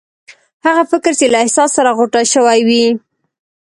هغه فکر چې له احساس سره غوټه شوی وي.